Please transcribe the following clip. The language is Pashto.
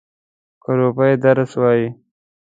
ګروپی درس وایی؟